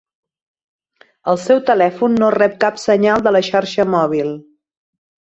El seu telèfon no rep cap senyal de la xarxa mòbil.